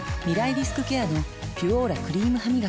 リスクケアの「ピュオーラ」クリームハミガキ